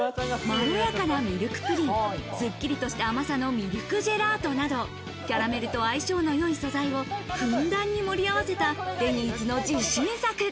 まろやかなミルクプリン、すっきりとした甘さのミルクジェラートなどキャラメルと相性の良い素材をふんだんに盛り合わせた、デニーズの自信作。